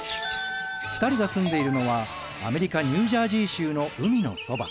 ２人が住んでいるのはアメリカ・ニュージャージー州の海のそば。